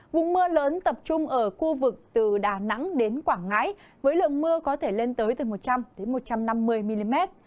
vùng mưa lớn tập trung ở khu vực từ đà nẵng đến quảng ngãi với lượng mưa có thể lên tới từ một trăm linh một trăm năm mươi mm